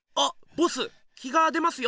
ボス日が出ますよ！